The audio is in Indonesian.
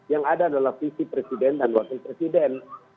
yang ada adalah visi presiden dan wakil presiden